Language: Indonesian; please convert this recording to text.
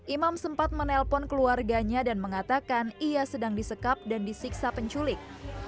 imam sempat menelpon keluarganya dan mengatakan ia sedang disekap dan disiksa penculik